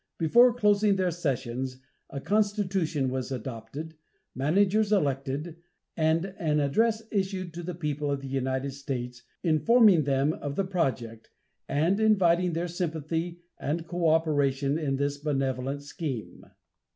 Before closing their sessions a constitution was adopted, managers elected, and an address issued to the people of the United States, informing them of the project, and inviting their sympathy and coöperation in this benevolent scheme.